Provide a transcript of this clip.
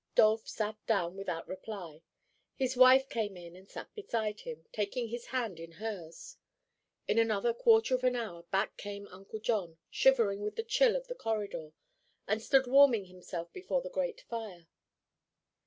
Dolph sat down without reply. His wife came in and sat beside him, taking his hand in hers. In another quarter of an hour back came Uncle John, shivering with the chill of the corridor, and stood warming himself before the grate fire.